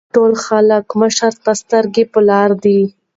ټول خلک مشر ته سترګې پۀ لار دي ـ